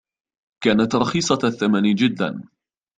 كانت رخيصة الثمن جداً.